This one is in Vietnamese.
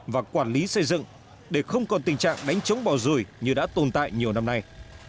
và quản lý xây dựng để không còn tình trạng đánh chống bỏ rủi như đã tồn tại nhiều năm nay